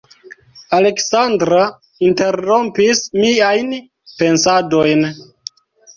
Aleksandra interrompis miajn pensadojn.